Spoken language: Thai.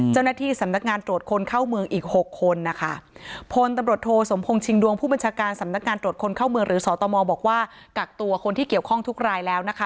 เจ้าหน้าที่สำนักงานตรวจคนเข้าเมืองอีกหกคนนะคะพลตำรวจโทสมพงษ์ชิงดวงผู้บัญชาการสำนักงานตรวจคนเข้าเมืองหรือสตมบอกว่ากักตัวคนที่เกี่ยวข้องทุกรายแล้วนะคะ